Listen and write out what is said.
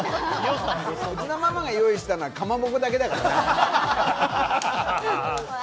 うちのママが用意したのは、かまぼこだけだからな。